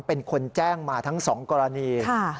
เป็นคนแจ้งมาทั้ง๒กรณี